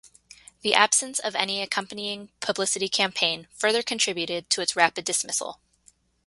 The absence of any accompanying publicity campaign further contributed to its rapid dismissal.